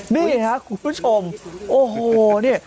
นี่ครับคุณผู้ชมโอ้โหเนี่ย